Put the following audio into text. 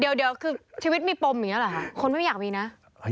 เดี๋ยวคือชีวิตมีปมอย่างนี้เหรอคะคนไม่อยากมีนะ